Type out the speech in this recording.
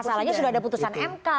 masalahnya sudah ada putusan mk